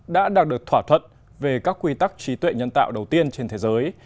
đã đạt được thỏa thuận về các quy tắc trí tuệ nhân tạo đầu tiên trên thế giới